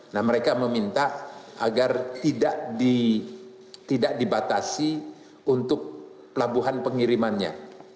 nah mereka meminta agar tidak dibatasi untuk pelabuhan pengirimannya